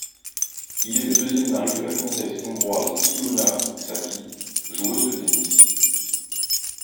Il est le deuxième mari de la comtesse Hongroise Ilona Csaky joueuse de tennis.